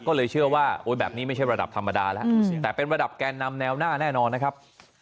ก็เลยเชื่อว่าแบบนี้ไม่ใช่ระดับธรรมดาแล้วแต่เป็นระดับแกนนำแนวหน้าแน่นอนนะครับ